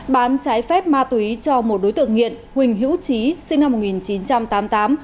bán trái phép ma túy cho một đối tượng nghiện huỳnh hữu trí sinh năm một nghìn chín trăm tám mươi tám